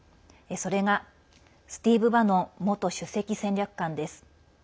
それがスティーブ・バノン元首席戦略官です。